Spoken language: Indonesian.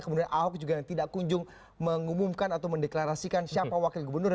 kemudian ahok juga yang tidak kunjung mengumumkan atau mendeklarasikan siapa wakil gubernurnya